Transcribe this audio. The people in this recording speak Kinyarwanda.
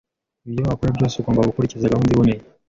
Ibyo wakora byose, ugomba gukurikiza gahunda iboneye.